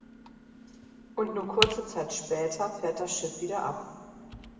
Und nur kurze Zeit später fährt das Schiff wieder ab.